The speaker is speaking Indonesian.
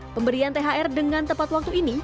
pemberian thr dengan tepat waktu ini